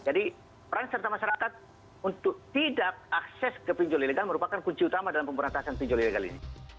jadi peran serta masyarakat untuk tidak akses ke pinjol ilegal merupakan kunci utama dalam pemberantasan pinjol ilegal ini